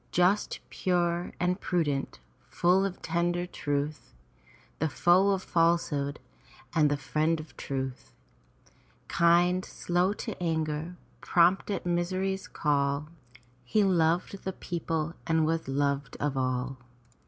Just, pure, and prudent, full of tender ruth, The foe of falsehood and the friend of truth; Kind, slow to anger, prompt at misery's call. He loved the people and was loved of all.